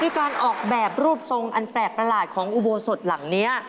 การออกแบบรูปทรงอันแปลกประหลาดของอุโบสถหลังนี้